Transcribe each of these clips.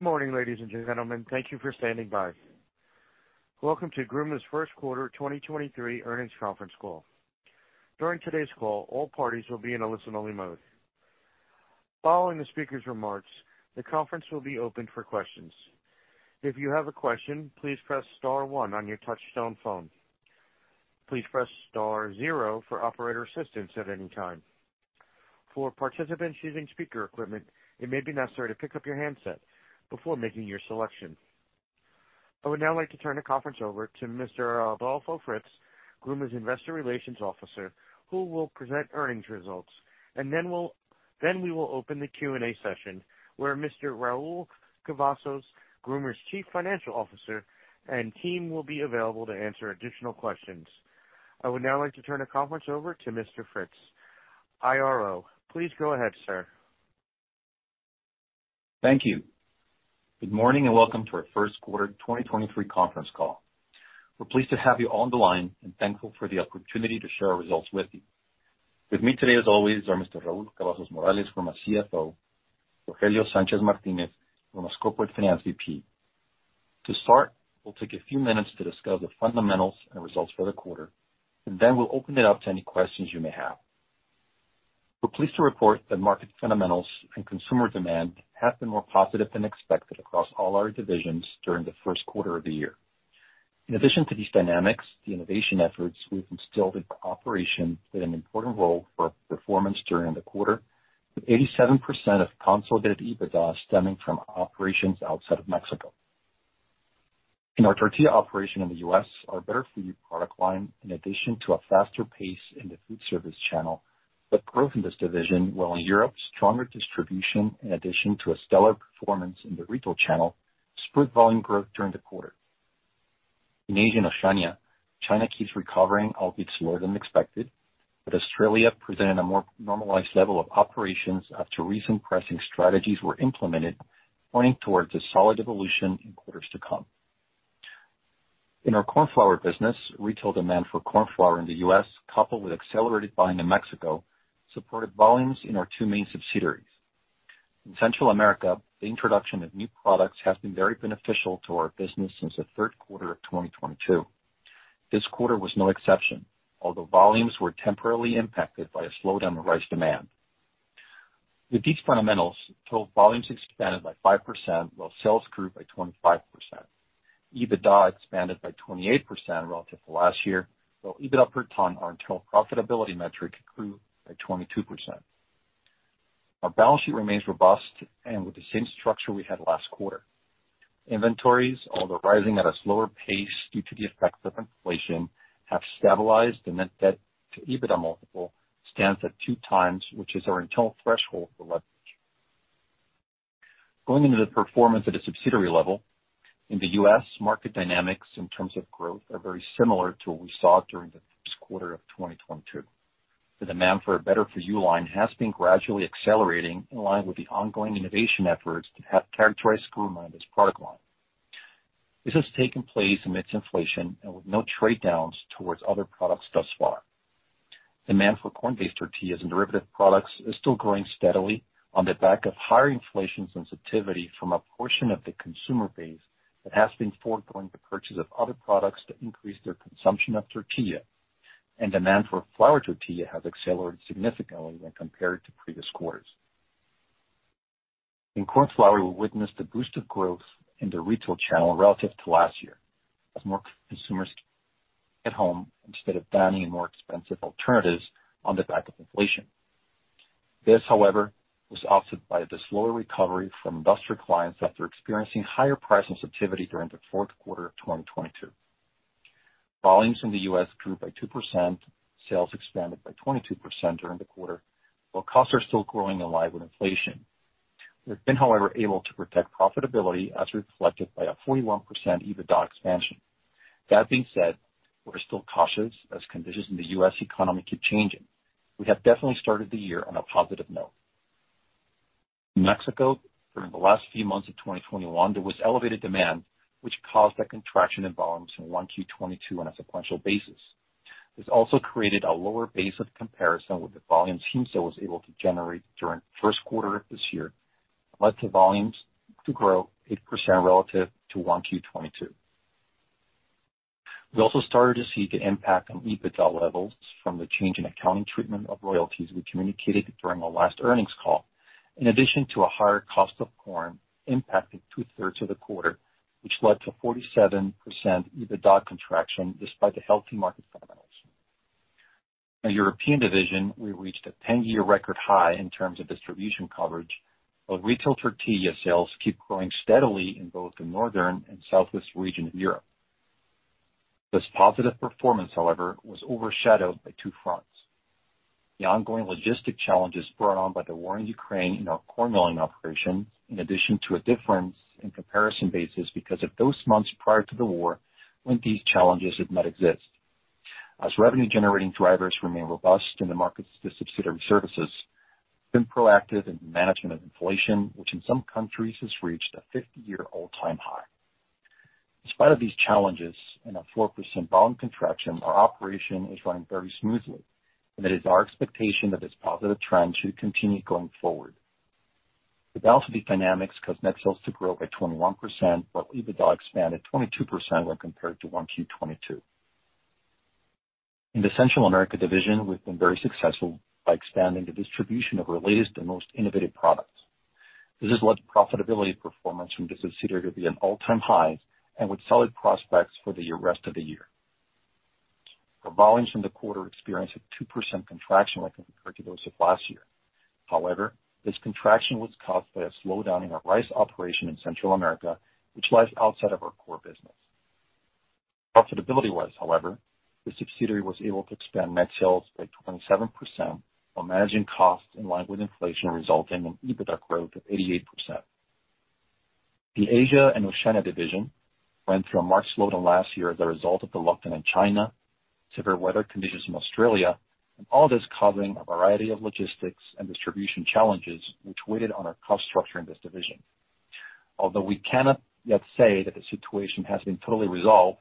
Good morning, ladies and gentlemen. Thank you for standing by. Welcome to GRUMA's first quarter 2023 earnings conference call. During today's call, all parties will be in a listen-only mode. Following the speaker's remarks, the conference will be opened for questions. If you have a question, please press star one on your touchtone phone. Please press star zero for operator assistance at any time. For participants using speaker equipment, it may be necessary to pick up your handset before making your selection. I would now like to turn the conference over to Mr. Adolfo Fritz, GRUMA's Investor Relations Officer, who will present earnings results. Then we will open the Q&A session where Mr. Raúl Cavazos, GRUMA's Chief Financial Officer, and team will be available to answer additional questions. I would now like to turn the conference over to Mr. Fritz, IRO. Please go ahead, sir. Thank you. Good morning, welcome to our 1st quarter 2023 conference call. We're pleased to have you on the line and thankful for the opportunity to share our results with you. With me today, as always, are Mr. Raúl Cavazos Morales from our CFO, Rogelio Sánchez Martínez from our Corporate Finance VP. To start, we'll take a few minutes to discuss the fundamentals and results for the quarter, then we'll open it up to any questions you may have. We're pleased to report that market fundamentals and consumer demand have been more positive than expected across all our divisions during the first quarter of the year. In addition to these dynamics, the innovation efforts we've instilled into operation played an important role for our performance during the quarter, with 87% of consolidated EBITDA stemming from operations outside of Mexico. In our tortilla operation in the U.S., our Better For You product line, in addition to a faster pace in the food service channel, the growth in this division, while in Europe, stronger distribution in addition to a stellar performance in the retail channel, split volume growth during the quarter. In Asia and Oceania, China keeps recovering, albeit slower than expected. Australia presented a more normalized level of operations after recent pricing strategies were implemented, pointing towards a solid evolution in quarters to come. In our corn flour business, retail demand for corn flour in the U.S., coupled with accelerated buying in Mexico, supported volumes in our two main subsidiaries. In Central America, the introduction of new products has been very beneficial to our business since the third quarter of 2022. This quarter was no exception, although volumes were temporarily impacted by a slowdown in rice demand. With these fundamentals, total volumes expanded by 5% while sales grew by 25%. EBITDA expanded by 28% relative to last year, while EBIT per ton, our internal profitability metric, grew by 22%. Our balance sheet remains robust and with the same structure we had last quarter. Inventories, although rising at a slower pace due to the effects of inflation, have stabilized the net debt to EBITDA multiple stands at 2x, which is our internal threshold for leverage. Going into the performance at a subsidiary level. In the U.S., market dynamics in terms of growth are very similar to what we saw during the first quarter of 2022. The demand for a Better For You line has been gradually accelerating in line with the ongoing innovation efforts that have characterized GRUMA in this product line. This has taken place amidst inflation and with no trade downs towards other products thus far. Demand for corn-based tortillas and derivative products is still growing steadily on the back of higher inflation sensitivity from a portion of the consumer base that has been foregoing the purchase of other products to increase their consumption of tortilla. Demand for flour tortilla has accelerated significantly when compared to previous quarters. In corn flour, we witnessed a boost of growth in the retail channel relative to last year as more consumers at home instead of dining in more expensive alternatives on the back of inflation. This, however, was offset by the slower recovery from industrial clients after experiencing higher price sensitivity during the fourth quarter of 2022. Volumes in the U.S. grew by 2%, sales expanded by 22% during the quarter, while costs are still growing in line with inflation. We've been, however, able to protect profitability as reflected by a 41% EBITDA expansion. That being said, we're still cautious as conditions in the U.S. economy keep changing. We have definitely started the year on a positive note. In Mexico, during the last few months of 2021, there was elevated demand, which caused a contraction in volumes in 1Q 2022 on a sequential basis. This also created a lower base of comparison with the volumes GIMSA was able to generate during the first quarter of this year, led to volumes to grow 8% relative to 1Q 2022. We started to see the impact on EBITDA levels from the change in accounting treatment of royalties we communicated during our last earnings call, in addition to a higher cost of corn impacting two-thirds of the quarter, which led to 47% EBITDA contraction despite the healthy market fundamentals. In European division, we reached a 10-year record high in terms of distribution coverage, while retail tortilla sales keep growing steadily in both the northern and southwest region of Europe. This positive performance, however, was overshadowed by two fronts. The ongoing logistic challenges brought on by the war in Ukraine in our corn milling operation, in addition to a difference in comparison basis because of those months prior to the war when these challenges did not exist. As revenue-generating drivers remain robust in the markets to subsidiary services, we've been proactive in management of inflation, which in some countries has reached a 50-year all-time high. In spite of these challenges and a 4% volume contraction, our operation is running very smoothly, and it is our expectation that this positive trend should continue going forward. The inaudible dynamics caused net sales to grow by 21%, while EBITDA expanded 22% when compared to 1Q 2022. In the Central America division, we've been very successful by expanding the distribution of our latest and most innovative products. This has led to profitability performance from this subsidiary to be at all-time highs and with solid prospects for the rest of the year. Our volumes from the quarter experienced a 2% contraction when compared to those of last year. However, this contraction was caused by a slowdown in our rice operation in Central America, which lies outside of our core business. Profitability-wise, however, the subsidiary was able to expand net sales by 27% while managing costs in line with inflation, resulting in EBITDA growth of 88%. The Asia and Oceania division went through a marked slowdown last year as a result of the lockdown in China, severe weather conditions in Australia, and all this causing a variety of logistics and distribution challenges which weighted on our cost structure in this division. Although we cannot yet say that the situation has been totally resolved,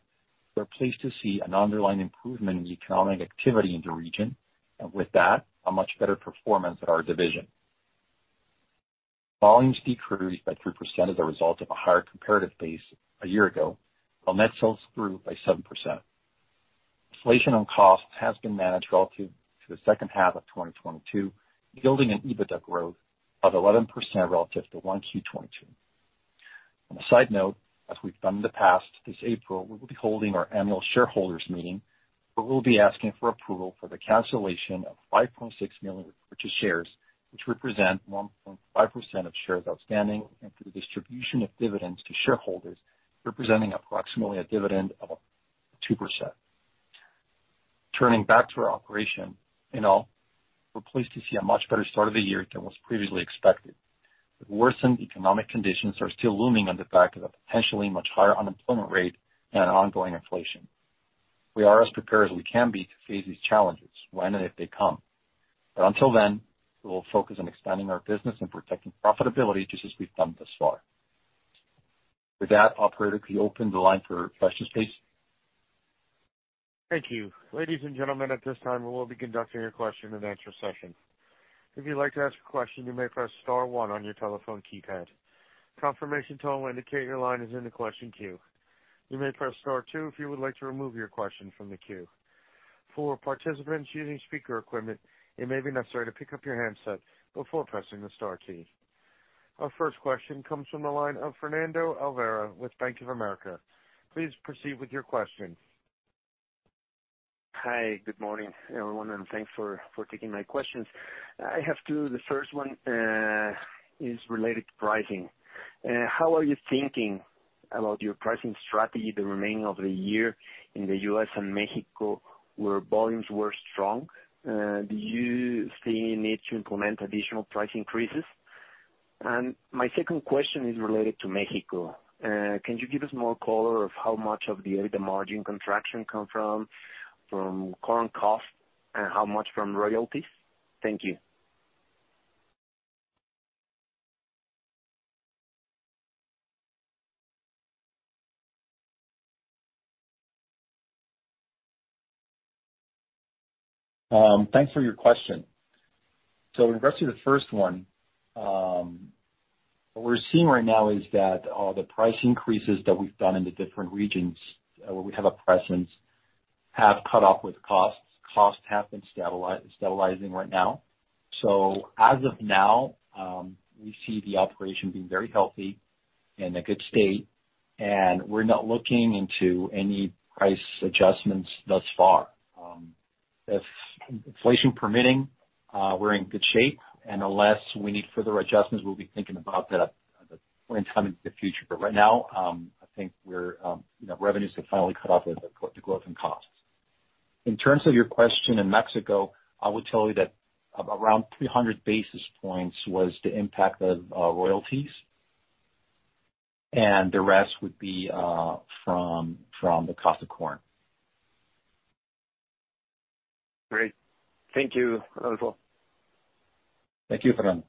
we're pleased to see an underlying improvement in the economic activity in the region, and with that, a much better performance of our division. Volumes decreased by 3% as a result of a higher comparative base a year ago, while net sales grew by 7%. Inflation on costs has been managed relative to the second half of 2022, yielding an EBITDA growth of 11% relative to 1Q 2022. On a side note, as we've done in the past, this April we will be holding our annual shareholders meeting, where we'll be asking for approval for the cancellation of 5.6 million purchased shares, which represent 1.5% of shares outstanding, and for the distribution of dividends to shareholders, representing approximately a dividend of 2%. Turning back to our operation, in all, we're pleased to see a much better start of the year than was previously expected. The worsened economic conditions are still looming on the back of a potentially much higher unemployment rate and ongoing inflation. We are as prepared as we can be to face these challenges when and if they come. Until then, we will focus on expanding our business and protecting profitability just as we've done thus far. With that, operator, if you open the line for questions, please. Thank you. Ladies and gentlemen, at this time we will be conducting your question and answer session. If you'd like to ask a question, you may press star one on your telephone keypad. Confirmation tone will indicate your line is in the question queue. You may press star two if you would like to remove your question from the queue. For participants using speaker equipment, it may be necessary to pick up your handset before pressing the star key. Our first question comes from the line of Fernando Olvera with Bank of America. Please proceed with your question. Hi. Good morning, everyone, and thanks for taking my questions. I have two. The first one is related to pricing. How are you thinking about your pricing strategy the remaining of the year in the U.S. and Mexico, where volumes were strong? Do you see a need to implement additional price increases? My second question is related to Mexico. Can you give us more color of how much of the EBITDA margin contraction come from current costs and how much from royalties? Thank you. Thanks for your question. In regards to the first one, what we're seeing right now is that the price increases that we've done in the different regions where we have a presence have caught up with costs. Costs have been stabilizing right now. As of now, we see the operation being very healthy, in a good state, and we're not looking into any price adjustments thus far. If, inflation permitting, we're in good shape, and unless we need further adjustments, we'll be thinking about that in time into the future. Right now, I think we're, you know, revenues have finally caught up with the growth in costs. In terms of your question in Mexico, I would tell you that around 300 basis points was the impact of royalties and the rest would be from the cost of corn. Great. Thank you, Raul. Thank you, Fernando.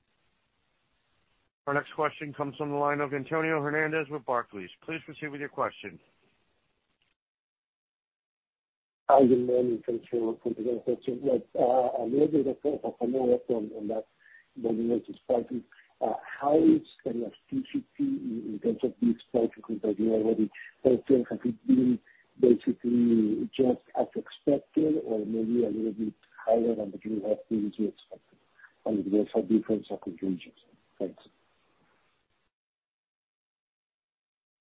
Our next question comes from the line of Antonio Hernandez with Barclays. Please proceed with your question. Hi, good morning. Thanks for taking my question. A little bit of a follow-up on that you just talked to. How is the elasticity in terms of these price increases that you already put in? Has it been basically just as expected or maybe a little bit higher than what you originally expected? If there's a difference across the regions? Thanks.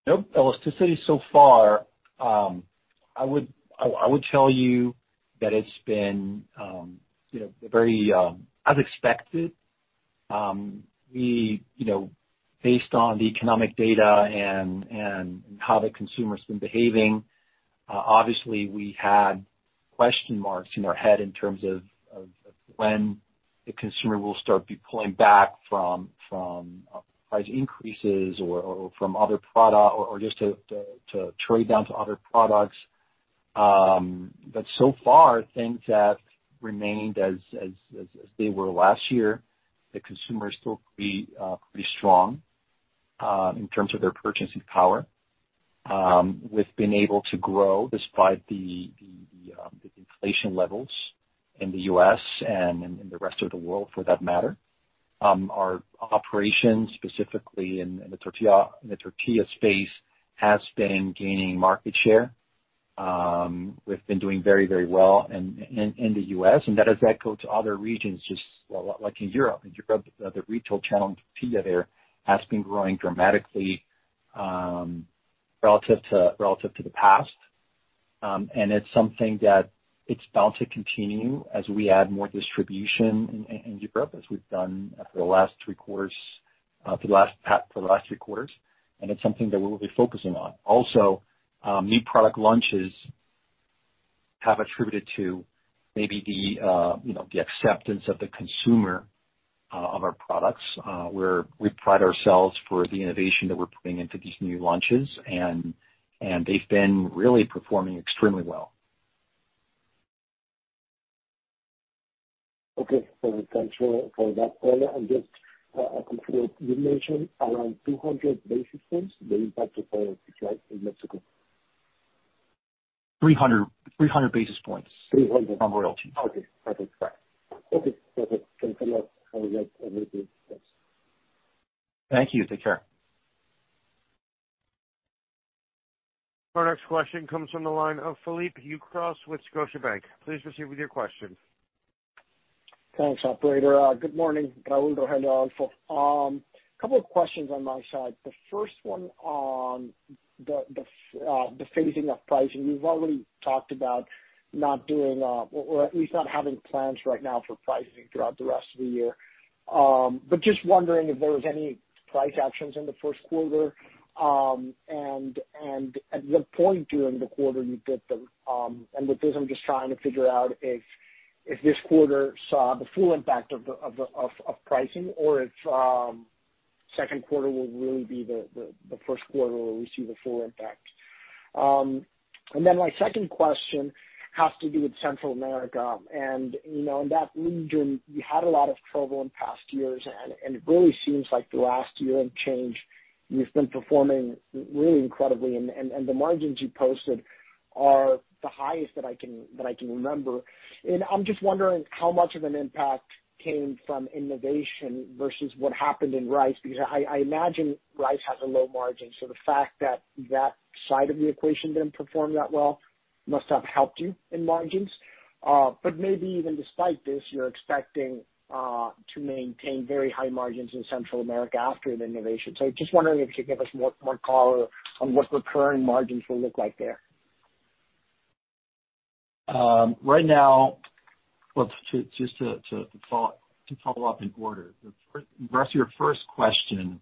No. Elasticity so far, I would tell you that it's been, you know, very, as expected. We, you know, based on the economic data and how the consumer's been behaving, obviously we had question marks in our head in terms of when the consumer will start be pulling back from price increases or just to trade down to other products. So far things have remained as they were last year. The consumer is still pretty strong in terms of their purchasing power. We've been able to grow despite the inflation levels in the U.S. and in the rest of the world for that matter. Our operations, specifically in the tortilla space has been gaining market share. We've been doing very, very well in the U.S. and that has echoed to other regions just like in Europe. In Europe, the retail channel tortilla there has been growing dramatically, relative to the past. It's something that it's bound to continue as we add more distribution in Europe as we've done for the last three quarters. It's something that we'll be focusing on. New product launches have attributed to maybe the, you know, the acceptance of the consumer of our products. We pride ourselves for the innovation that we're putting into these new launches and they've been really performing extremely well. Okay. Thanks for that color. Just to confirm, you mentioned around 200 basis points the impact of price in Mexico. 300 basis points. 300. On royalty. Okay. Perfect. Right. Okay. Perfect. Thanks a lot. Have a good everything. Thanks. Thank you. Take care. Our next question comes from the line of Felipe Ucros with Scotiabank. Please proceed with your question. Thanks, operator. Good morning, Raúl, Rogelio, Adolfo. Couple of questions on my side. The first one on the phasing of pricing. You've already talked about not doing, or at least not having plans right now for pricing throughout the rest of the year. Just wondering if there was any price actions in the first quarter. At what point during the quarter you did them. With this, I'm just trying to figure out if this quarter saw the full impact of pricing or if second quarter will really be the first quarter where we see the full impact. Then my second question has to do with Central America, you know, in that region you had a lot of trouble in past years, it really seems like the last year and change you've been performing really incredibly, the margins you posted are the highest that I can, that I can remember. I'm just wondering how much of an impact came from innovation versus what happened in rice because I imagine rice has a low margin, so the fact that that side of the equation didn't perform that well must have helped you in margins. Maybe even despite this you're expecting to maintain very high margins in Central America after the innovation. Just wondering if you could give us more, more color on what recurring margins will look like there. Right now, well, just to follow up in order. In regards to your first question,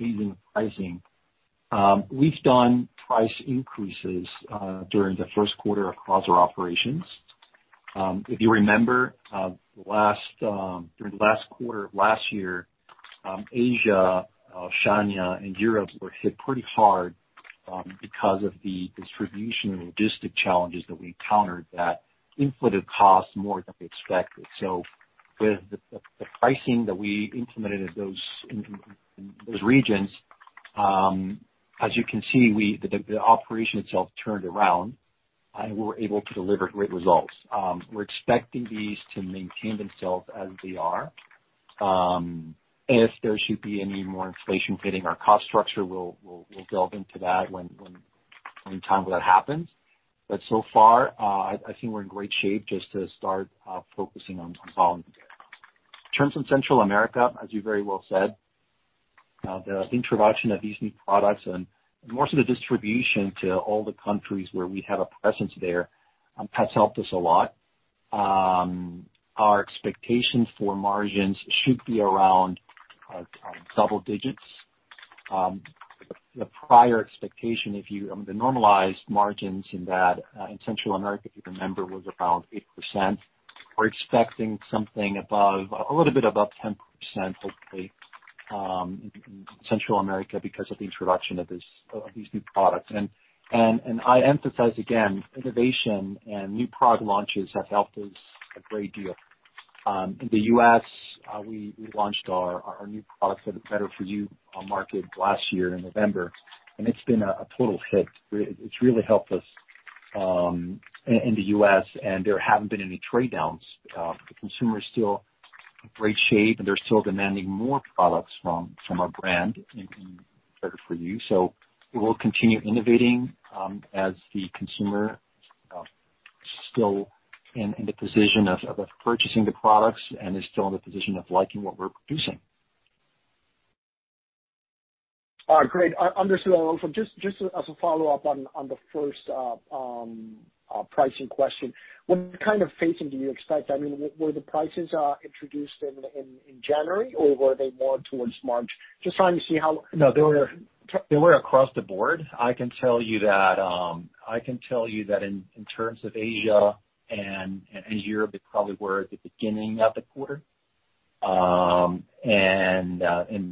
phasing the pricing, we've done price increases during the first quarter across our operations. If you remember, during the last quarter of last year, Asia, Oceania and Europe were hit pretty hard because of the distribution and logistic challenges that we encountered that inflated costs more than we expected. With the pricing that we implemented in those regions, as you can see, we, the operation itself turned around and we were able to deliver great results. We're expecting these to maintain themselves as they are. If there should be any more inflation hitting our cost structure, we'll delve into that when time that happens. So far, I think we're in great shape just to start focusing on volume. In terms of Central America, as you very well said, the introduction of these new products and more so the distribution to all the countries where we have a presence there, has helped us a lot. Our expectations for margins should be around double digits. The prior expectation the normalized margins in that in Central America if you remember, was about 8%. We're expecting something above, a little bit above 10% hopefully, in Central America because of the introduction of this of these new products. I emphasize again, innovation and new product launches have helped us a great deal. In the U.S., we launched our new products that are Better For You on market last year in November, and it's been a total hit. It's really helped us in the U.S. and there haven't been any trade downs. The consumer is still in great shape, and they're still demanding more products from our brand and can be Better For You. We will continue innovating as the consumer is still in the position of purchasing the products and is still in the position of liking what we're producing. Great. Understood. Alfonso, just as a follow-up on the first pricing question. What kind of phasing do you expect? I mean, were the prices introduced in January, or were they more towards March? Just trying to see how. No, they were across the board. I can tell you that, I can tell you that in terms of Asia and Europe, they probably were at the beginning of the quarter.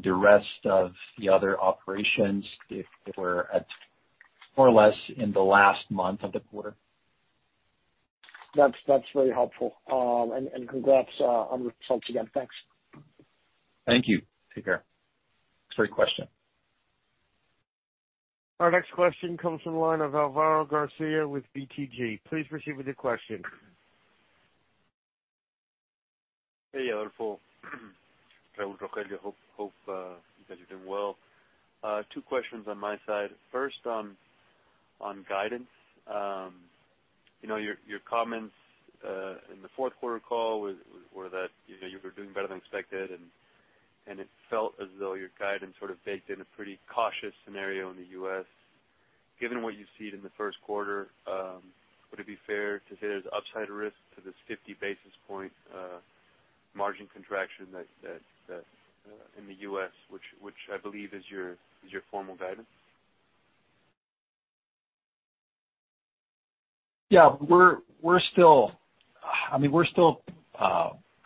The rest of the other operations, if they were at more or less in the last month of the quarter. That's very helpful. Congrats on the results again. Thanks. Thank you. Take care. It's a great question. Our next question comes from the line of Alvaro Garcia with BTG. Please proceed with your question. Hey, Adolfo. Raúl, Rogelio. Hope you guys are doing well. Two questions on my side. First, on guidance. You know, your comments in the fourth quarter call were that, you know, you were doing better than expected and it felt as though your guidance sort of baked in a pretty cautious scenario in the U.S. Given what you've seen in the first quarter, would it be fair to say there's upside risk to this 50 basis point margin contraction that in the U.S. which I believe is your formal guidance? Yeah. We're still, I mean, we're still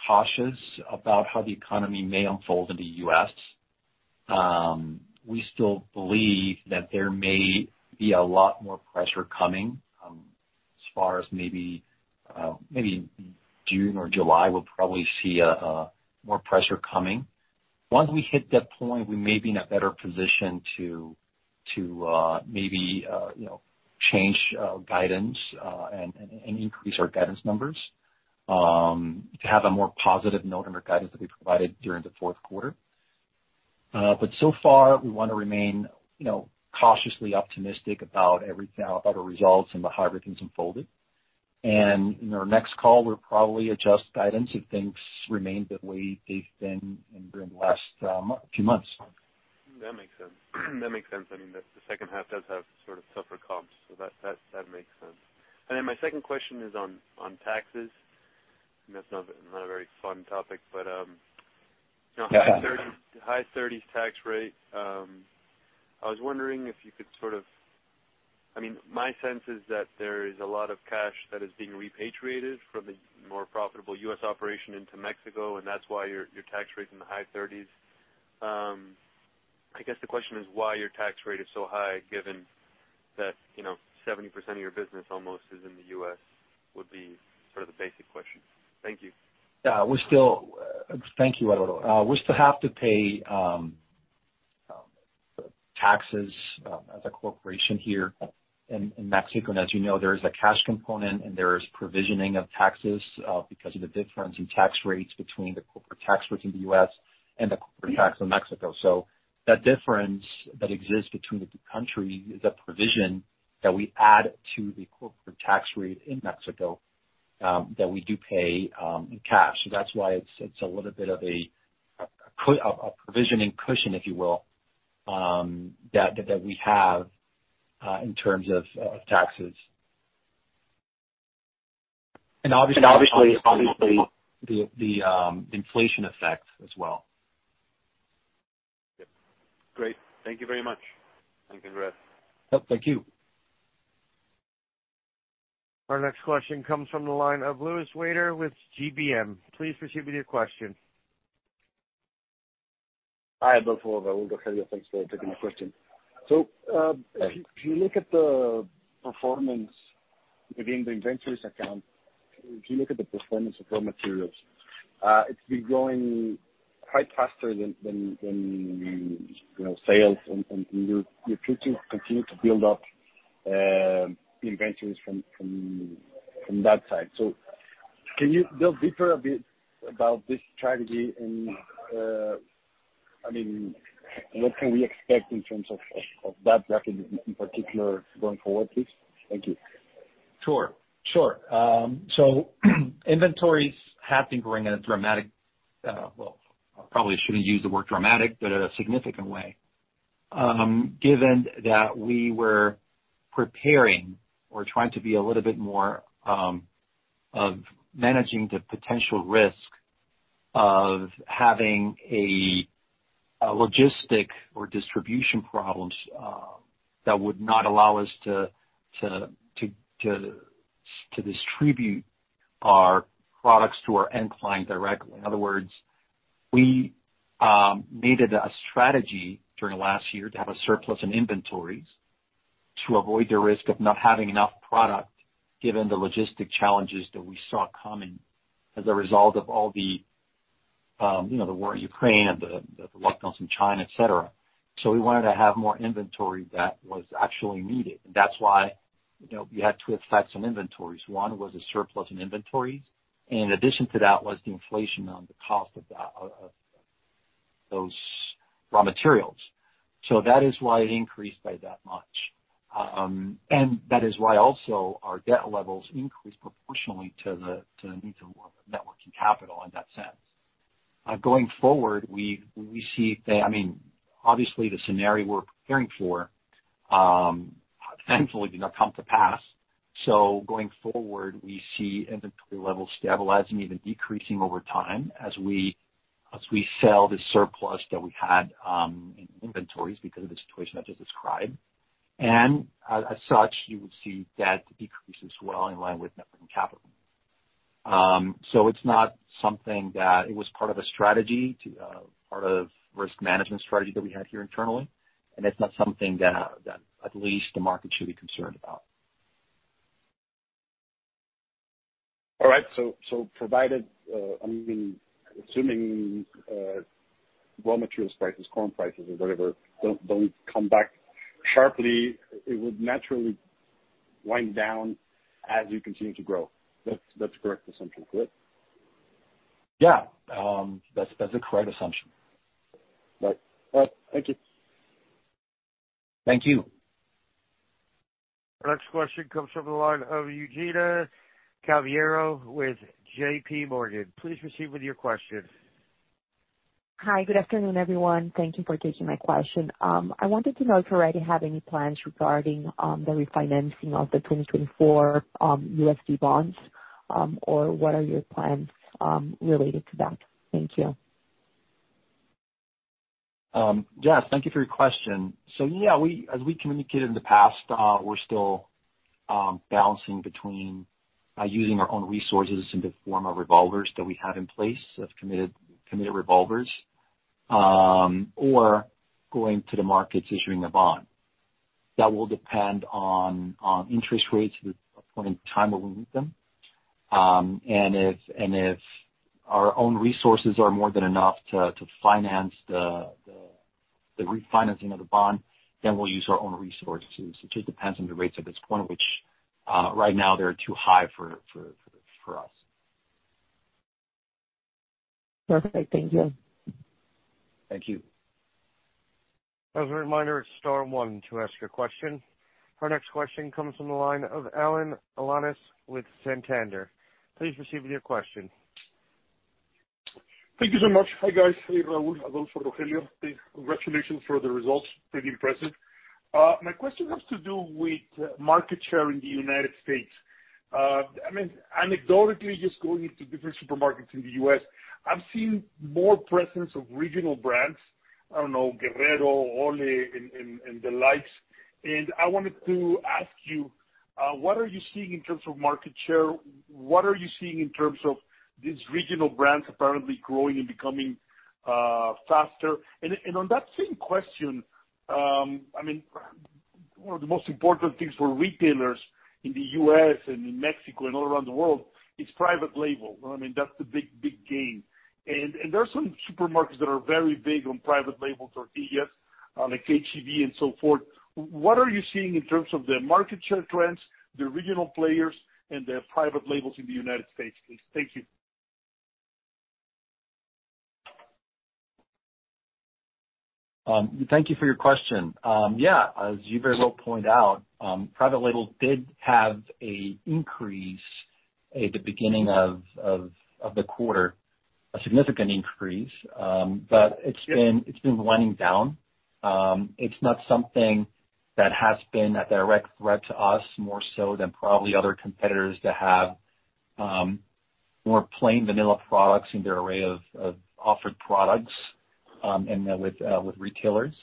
cautious about how the economy may unfold in the U.S. We still believe that there may be a lot more pressure coming, as far as maybe June or July, we'll probably see more pressure coming. Once we hit that point, we may be in a better position to maybe, you know, change guidance and increase our guidance numbers to have a more positive note on our guidance that we provided during the fourth quarter. So far, we wanna remain, you know, cautiously optimistic about our results and how everything's unfolding. In our next call, we'll probably adjust guidance if things remain the way they've been and during the last few months. That makes sense. I mean, the second half does have sort of tougher comps, so that makes sense. My second question is on taxes. I know it's not a very fun topic, but. Yeah. You know, high 30s, high 30s tax rate. I was wondering if you could sort of. I mean, my sense is that there is a lot of cash that is being repatriated from the more profitable U.S. operation into Mexico, and that's why your tax rate's in the high 30s. I guess the question is why your tax rate is so high given that, you know, 70% of your business almost is in the U.S., would be sort of the basic question. Thank you. Yeah. We still. Thank you, Alvaro. We still have to pay taxes as a corporation here in Mexico. As you know, there is a cash component and there is provisioning of taxes because of the difference in tax rates between the corporate tax rates in the U.S. and the corporate tax in Mexico. That difference that exists between the two countries is a provision that we add to the corporate tax rate in Mexico that we do pay in cash. That's why it's a little bit of a provisioning cushion, if you will, that we have in terms of taxes. And obviously. And obviously. The inflation effect as well. Yep. Great. Thank you very much, and congrats. Yep, thank you. Our next question comes from the line of Luis Willard with GBM. Please proceed with your question. Hi, Adolfo. Raul, Rogelio. Thanks for taking my question. If you look at the performance within the inventories account, if you look at the performance of raw materials, it's been growing quite faster than, you know, sales, and you're looking to continue to build up the inventories from that side. Can you delve deeper a bit about this strategy and, I mean, what can we expect in terms of that rapidly in particular going forward, please? Thank you. Sure. Sure. So inventories have been growing at a dramatic, well, probably shouldn't use the word dramatic, but at a significant way. Given that we were preparing or trying to be a little bit more of managing the potential risk of having a logistic or distribution problems that would not allow us to distribute our products to our end client directly. In other words, we needed a strategy during the last year to have a surplus in inventories to avoid the risk of not having enough product, given the logistic challenges that we saw coming as a result of all the, you know, the war in Ukraine and the lockdowns in China, et cetera. We wanted to have more inventory that was actually needed, and that's why, you know, you had two effects on inventories. One was a surplus in inventories, in addition to that was the inflation on the cost of that, of those raw materials. That is why it increased by that much. That is why also our debt levels increased proportionally to the, to the need to network some capital in that sense. Going forward, we see that, I mean, obviously the scenario we're preparing for, thankfully did not come to pass. Going forward, we see inventory levels stabilizing, even decreasing over time as we sell the surplus that we had, in inventories because of the situation I just described. As such, you would see debt decrease as well in line with net working capital. It's not something that it was part of risk management strategy that we had here internally, and it's not something that at least the market should be concerned about. All right. Provided, I mean, assuming raw materials prices, corn prices or whatever, don't come back sharply, it would naturally wind down as you continue to grow. That's the correct assumption, correct? Yeah. That's a correct assumption. Right. Well, thank you. Thank you. Next question comes from the line of Eugenio Caballero with JPMorgan. Please proceed with your question. Hi, good afternoon, everyone. Thank you for taking my question. I wanted to know if you already have any plans regarding the refinancing of the 2024 USD bonds, or what are your plans related to that? Thank you. Yes, thank you for your question. Yeah, we, as we communicated in the past, we're still balancing between using our own resources in the form of revolvers that we have in place, of committed revolvers, or going to the markets issuing a bond. That will depend on interest rates at the point in time where we meet them. If, and if our own resources are more than enough to finance the refinancing of the bond, then we'll use our own resources. It just depends on the rates at this point, which right now they are too high for us. Perfect. Thank you. Thank you. As a reminder, it's star one to ask your question. Our next question comes from the line of Alan Alanis with Santander. Please proceed with your question. Thank you so much. Hi, guys. Hey, Raúl, Adolfo, Rogelio. Congratulations for the results. Pretty impressive. My question has to do with market share in the United States. I mean, anecdotally, just going into different supermarkets in the U.S., I'm seeing more presence of regional brands. I don't know, Guerrero, Olé and the likes. I wanted to ask you, what are you seeing in terms of market share? What are you seeing in terms of these regional brands apparently growing and becoming faster? On that same question, I mean, one of the most important things for retailers in the U.S. and in Mexico and all around the world is private label. I mean, that's the big, big game. There are some supermarkets that are very big on private label tortillas, like H-E-B and so forth. What are you seeing in terms of the market share trends, the regional players and the private labels in the United States, please? Thank you. Thank you for your question. As you very well point out, private label did have a increase at the beginning of the quarter, a significant increase. It's been winding down. It's not something that has been a direct threat to us, more so than probably other competitors that have more plain vanilla products in their array of offered products, with retailers.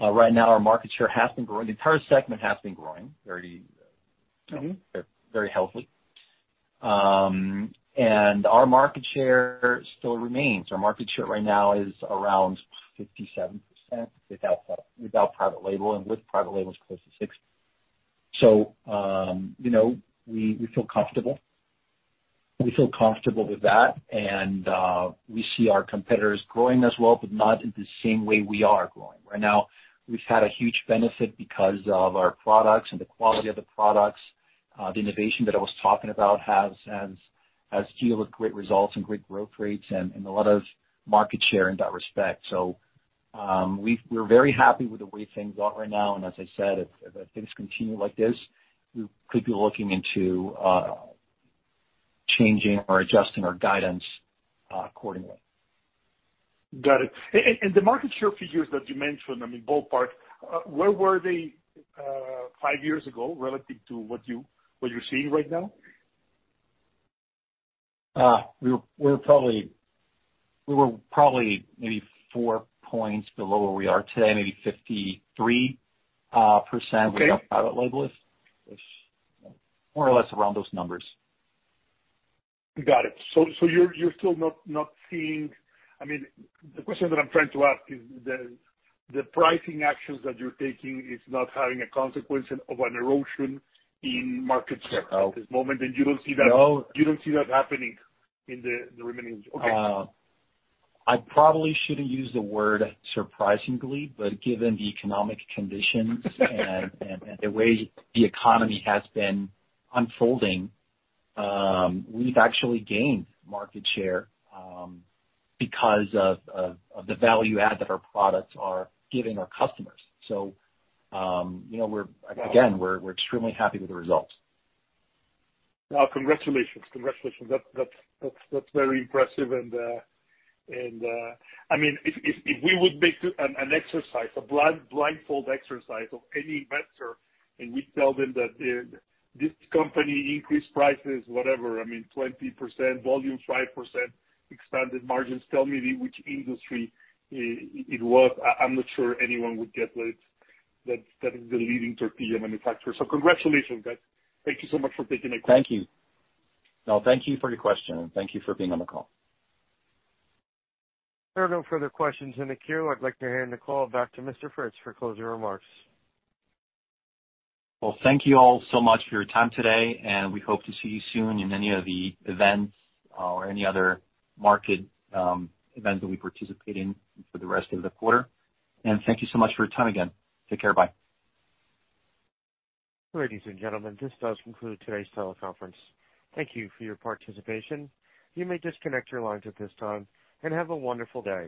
Right now our market share has been growing. The entire segment has been growing very healthy. Our market share still remains. Our market share right now is around 57% without private label, and with private label it's close to 60%. You know, we feel comfortable. We feel comfortable with that. We see our competitors growing as well, not in the same way we are growing. Right now, we've had a huge benefit because of our products and the quality of the products. The innovation that I was talking about has yielded great results and great growth rates and a lot of market share in that respect. We're very happy with the way things are right now, and as I said, if things continue like this, we could be looking into changing or adjusting our guidance accordingly. Got it. The market share figures that you mentioned, I mean, ballpark, where were they five years ago relative to what you're seeing right now? We were probably maybe four points below where we are today, maybe 53%. Okay. Without private label is. More or less around those numbers. Got it. You're still not seeing. I mean, the question that I'm trying to ask is the pricing actions that you're taking is not having a consequence of an erosion in market share. No. At this moment, you don't see. No. You don't see that happening in the remaining. Okay. I probably shouldn't use the word surprisingly, but given the economic conditions. The way the economy has been unfolding, we've actually gained market share because of the value add that our products are giving our customers. You know. Wow. We're extremely happy with the results. Well, congratulations. Congratulations. That's very impressive and I mean, if we would make an exercise, a blindfold exercise of any investor, and we tell them that this company increased prices, whatever, I mean, 20%, volume 5%, expanded margins, tell me which industry it was, I'm not sure anyone would get that is the leading tortilla manufacturer. Congratulations, guys. Thank you so much for taking my call. Thank you. No, thank you for your question, and thank you for being on the call. There are no further questions in the queue. I'd like to hand the call back to Mr. Fritz for closing remarks. Well, thank you all so much for your time today, and we hope to see you soon in any of the events or any other market, events that we participate in for the rest of the quarter. Thank you so much for your time again. Take care. Bye. Ladies and gentlemen, this does conclude today's teleconference. Thank you for your participation. You may disconnect your lines at this time, and have a wonderful day.